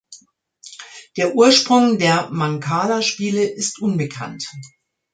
Der Ursprung der Mancala-Spiele ist unbekannt.